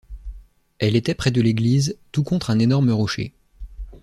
Elle était près de l'église, tout contre un énorme rocher.